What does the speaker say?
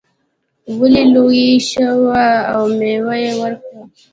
ونې لویې شوې او میوه یې ورکړه.